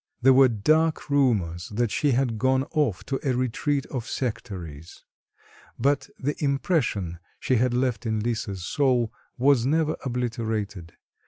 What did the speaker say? There were dark rumours that she had gone off to a retreat of sectaries. But the impression she had left in Lisa's soul was never obliterated.